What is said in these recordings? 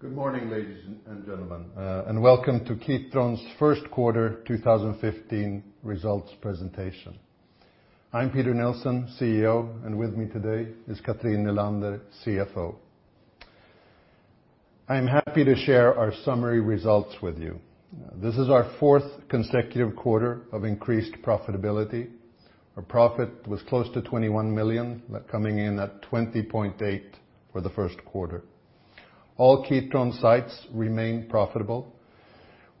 Good morning, ladies and gentlemen, Welcome to Kitron's Q1 2015 Results Presentation. I'm Peter Nilsson, CEO, with me today is Cathrin Nylander, CFO. I'm happy to share our summary results with you. This is our fourth consecutive quarter of increased profitability. Our profit was close to 21 million, coming in at 20.8 million for Q1. All Kitron sites remain profitable.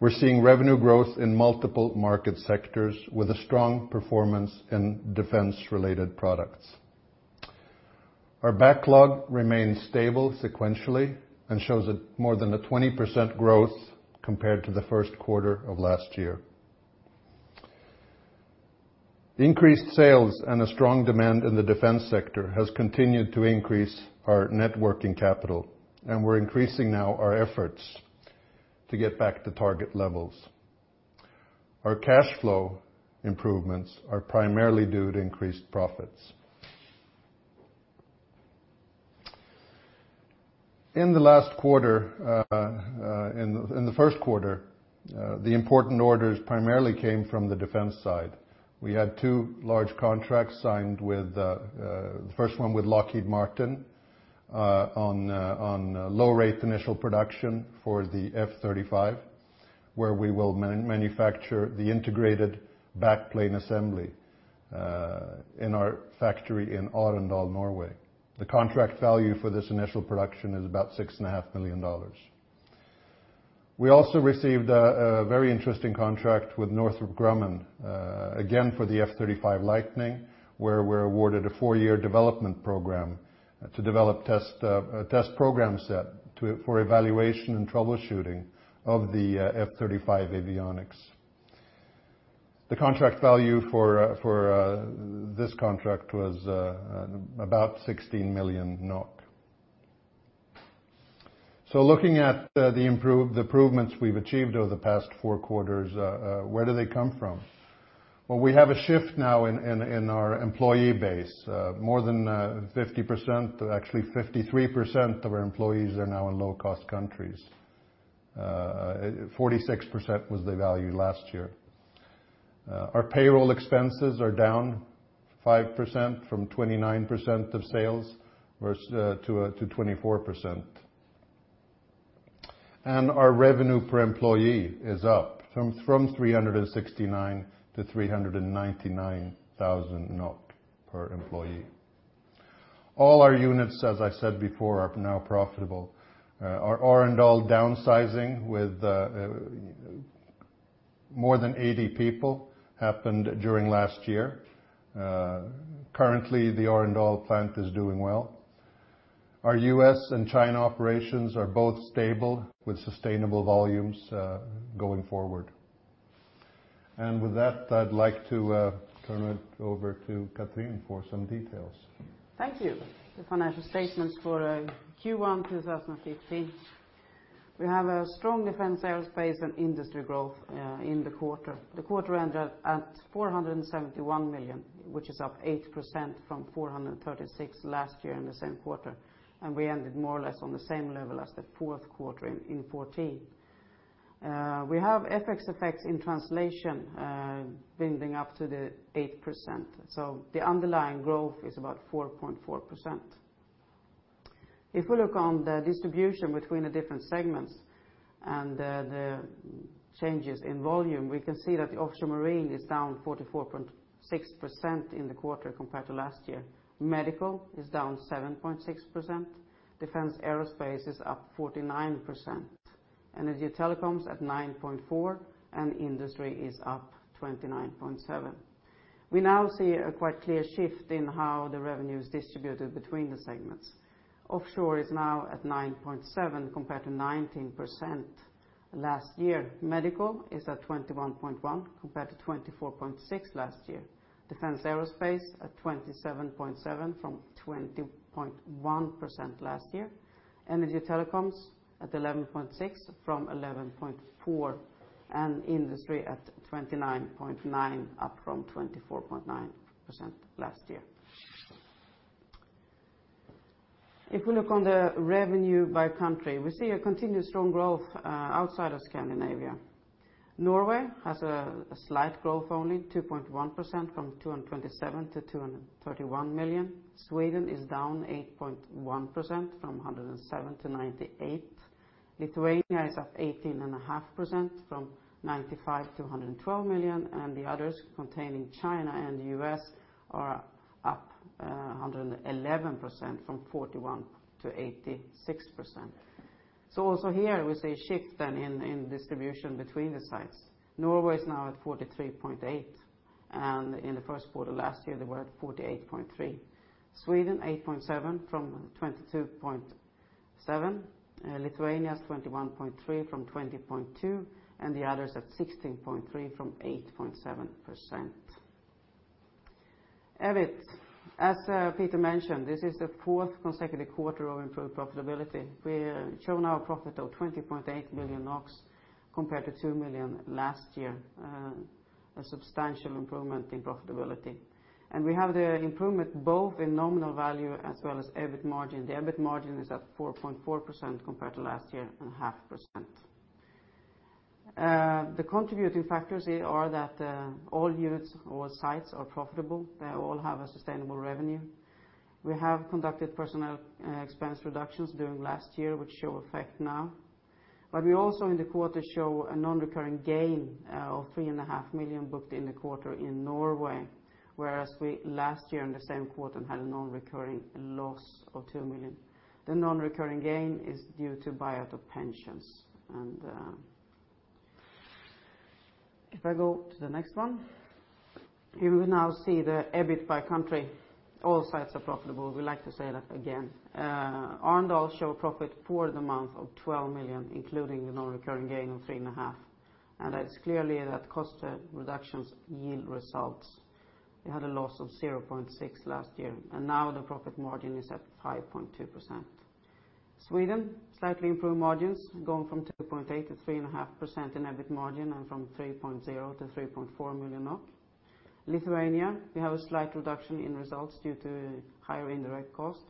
We're seeing revenue growth in multiple market sectors with a strong performance in Defence-related products. Our backlog remains stable sequentially, shows a more than a 20% growth compared to Q1 last year. Increased sales, a strong demand in the Defence sector has continued to increase our net working capital, we're increasing now our efforts to get back to target levels. Our cash flow improvements are primarily due to increased profits. In the first quarter, the important orders primarily came from the defense side. We had two large contracts signed with the first one with Lockheed Martin on low-rate initial production for the F-35, where we will manufacture the Integrated Backplane Assembly in our factory in Arendal, Norway. The contract value for this initial production is about $6,500,000. We also received a very interesting contract with Northrop Grumman again for the F-35 Lightning, where we're awarded a four-year development program to develop test a test program set for evaluation and troubleshooting of the F-35 avionics. The contract value for this contract was about NOK 16 million. Looking at the improvements we've achieved over the past four quarters, where do they come from? Well, we have a shift now in our employee base. More than 50%, actually 53% of our employees are now in low-cost countries. 46% was the value last year. Our payroll expenses are down 5% from 29% of sales to 24%. Our revenue per employee is up from 369 to 399,000 NOK per employee. All our units, as I said before, are now profitable. Our Arendal downsizing with more than 80 people happened during last year. Currently, the Arendal plant is doing well. Our U.S. and China operations are both stable with sustainable volumes going forward. With that, I'd like to turn it over to Cathrin for some details. Thank you. The financial statements for Q1 2015, we have a strong Defence/Aerospace and Industry growth in the quarter. The quarter ended at 471 million, which is up 8% from 436 million last year in the same quarter. We ended more or less on the same level as the fourth quarter in 2014. We have FX effects in translation building up to the 8%. The underlying growth is about 4.4%. If we look on the distribution between the different segments and the changes in volume, we can see that the Offshore/Marine is down 44.6% in the quarter compared to last year. Medical is down 7.6%. Defence/Aerospace is up 49%. Energy/Telecoms at 9.4%, and Industry is up 29.7%. We now see a quite clear shift in how the revenue is distributed between the segments. Offshore is now at 9.7% compared to 19% last year. Medical is at 21.1% compared to 24.6% last year. Defence/Aerospace at 27.7% from 20.1% last year. Energy/Telecoms at 11.6% from 11.4%. Industry at 29.9%, up from 24.9% last year. If we look on the revenue by country, we see a continued strong growth outside of Scandinavia. Norway has a slight growth only, 2.1% from 227 million-231 million. Sweden is down 8.1% from 107 million-98 million. Lithuania is up 18.5% from 95 million-112 million, and the others containing China and the U.S. are up 111% from 41%-86%. Also here, we see a shift then in distribution between the sites. Norway is now at 43.8%, and in the first quarter last year, they were at 48.3%. Sweden, 8.7% from 22.7%. Lithuania is 21.3% from 20.2%, and the others at 16.3% from 8.7%. EBIT, as Peter mentioned, this is the fourth consecutive quarter of improved profitability. We show now a profit of 20.8 million NOK. Compared to 2 million last year, a substantial improvement in profitability. We have the improvement both in nominal value as well as EBIT margin. The EBIT margin is at 4.4% compared to last year, 1.5%. The contributing factors here are that all units or sites are profitable. They all have a sustainable revenue. We have conducted personnel expense reductions during last year which show effect now. We also in the quarter show a non-recurring gain of 3.5 million booked in the quarter in Norway, whereas we last year in the same quarter had a non-recurring loss of 2 million. The non-recurring gain is due to buyout of pensions and, I go to the next one, here we now see the EBIT by country. All sites are profitable. We like to say that again. Arendal show a profit for the month of 12 million, including the non-recurring gain of three and a half. It's clearly that cost reductions yield results. We had a loss of 0.6 last year, now the profit margin is at 5.2%. Sweden, slightly improved margins going from 2.8%-3.5% in EBIT margin and from 3.0 million-3.4 million. Lithuania, we have a slight reduction in results due to higher indirect costs.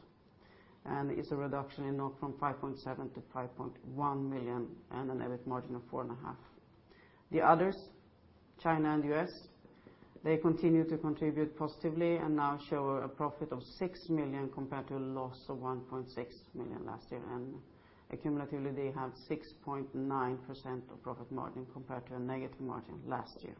It's a reduction in NOK from 5.7 million-5.1 million and an EBIT margin of 4.5%. The others, China and U.S., they continue to contribute positively and now show a profit of 6 million compared to a loss of 1.6 million last year. Accumulatively, they have 6.9% of profit margin compared to a negative margin last year.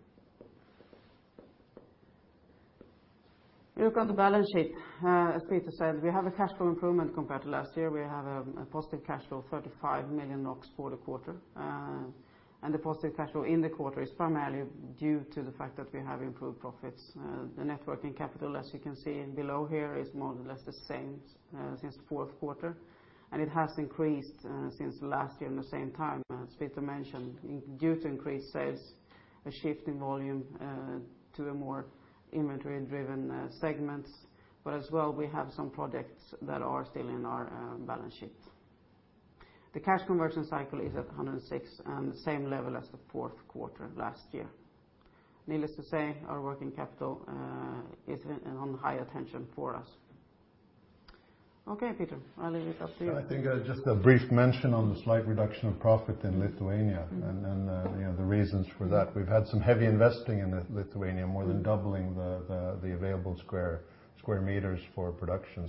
Look on the balance sheet. As Peter said, we have a cash flow improvement compared to last year. We have a positive cash flow 35 million NOK for the quarter. The positive cash flow in the quarter is primarily due to the fact that we have improved profits. The net working capital, as you can see below here, is more or less the same since fourth quarter, and it has increased since last year in the same time, as Peter mentioned, due to increased sales, a shift in volume to a more inventory-driven segments, but as well we have some projects that are still in our balance sheet. The cash conversion cycle is at 106 and the same level as the fourth quarter last year. Needless to say, our working capital is on high attention for us. Okay, Peter, I leave it up to you. I think, just a brief mention on the slight reduction of profit in Lithuania and, you know, the reasons for that. We've had some heavy investing in Lithuania, more than doubling the available square meters for production,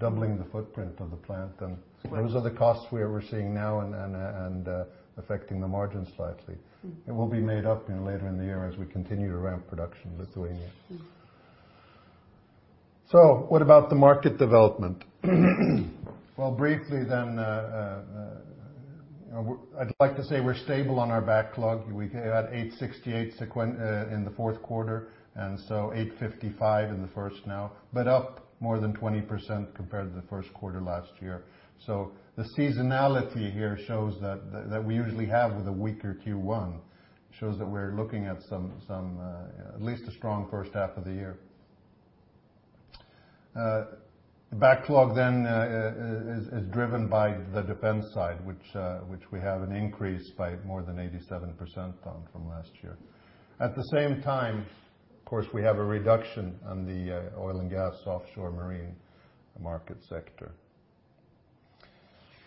so doubling the footprint of the plant then. Those are the costs we're seeing now and affecting the margin slightly. It will be made up in later in the year as we continue to ramp production in Lithuania. What about the market development? Briefly then, you know, I'd like to say we're stable on our backlog. We had 868 in the fourth quarter, 855 in the first now, but up more than 20% compared to the first quarter last year. The seasonality here shows that we usually have with a weaker Q1, shows that we're looking at some at least a strong first half of the year. Backlog then is driven by the defense side, which we have an increase by more than 87% on from last year. At the same time, of course, we have a reduction on the oil and gas Offshore/Marine market sector.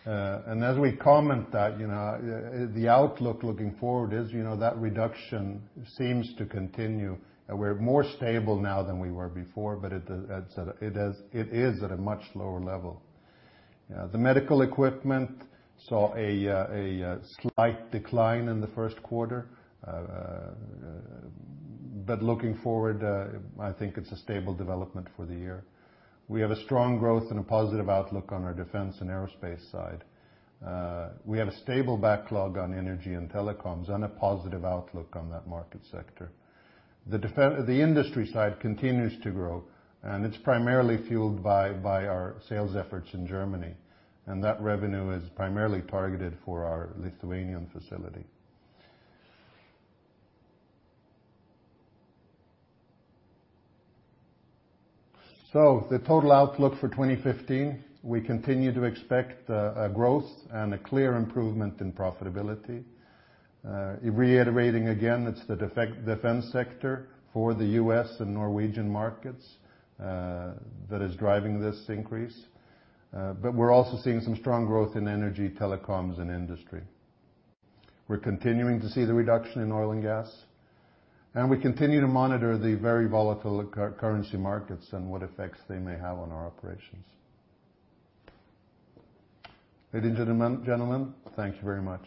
And as we comment that, you know, the outlook looking forward is, you know, that reduction seems to continue. We're more stable now than we were before, but it is at a much lower level. The medical equipment saw a slight decline in the first quarter. Looking forward, I think it's a stable development for the year. We have a strong growth and a positive outlook on our Defence and Aerospace side. We have a stable backlog on Energy and Telecoms and a positive outlook on that market sector. The industry side continues to grow, and it's primarily fueled by our sales efforts in Germany, and that revenue is primarily targeted for our Lithuanian facility. The total outlook for 2015, we continue to expect a growth and a clear improvement in profitability. Reiterating again, it's the Defence sector for the U.S. and Norwegian markets that is driving this increase, we're also seeing some strong growth in Energy, Telecoms and industry. We're continuing to see the reduction in oil and gas, we continue to monitor the very volatile currency markets and what effects they may have on our operations. Ladies and gentlemen, thank you very much.